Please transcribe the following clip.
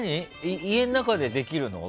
家の中でできるの？